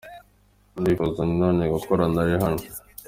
Ndifuza na none gukorana na Rihanna.